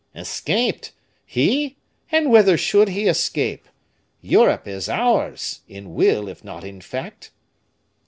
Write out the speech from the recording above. "Escaped! he! and whither should he escape? Europe is ours, in will, if not in fact."